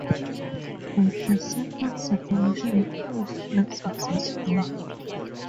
But the second separation proved unsuccessful.